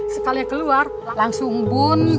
sekalian keluar langsung bun